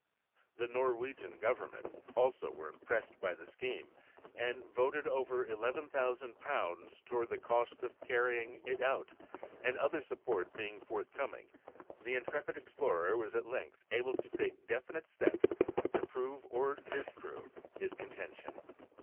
The Norwegian Government also were impressed by the scheme and voted over £11,000 towards the cost of carrying it out, and other support being forthcoming, the intrepid explorer was at length able to take definite steps to prove or disprove his contention.